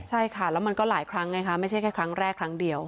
ใช่ค่ะแล้วมันก็หลายครั้งไงคะไม่ใช่แค่ครั้งแรกครั้งเดียว